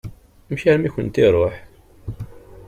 Amek armi i kent-iṛuḥ?